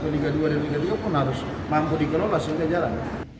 liga dua dan liga dua pun harus mampu dikelola sehingga jalan